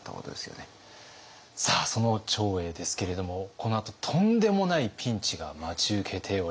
さあその長英ですけれどもこのあととんでもないピンチが待ち受けております。